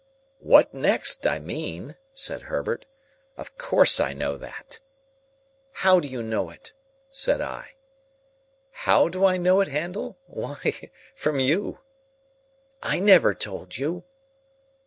"What next, I mean?" said Herbert. "Of course I know that." "How do you know it?" said I. "How do I know it, Handel? Why, from you." "I never told you."